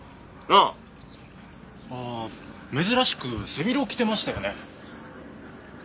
ああ珍しく背広着てましたよね？